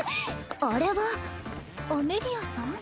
あれはアメリアさん？